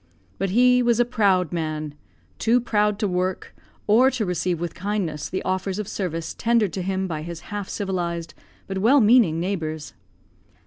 But he was a proud man too proud to work, or to receive with kindness the offers of service tendered to him by his half civilised, but well meaning neighbours.